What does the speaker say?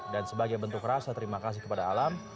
dan sebagai bentuk rasa terima kasih kepada alam